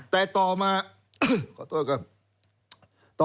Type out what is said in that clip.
แต่ต่อมาขอโทษก่อน